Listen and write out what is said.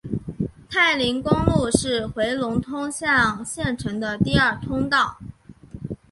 太临公路是回龙通向县城的第二通道。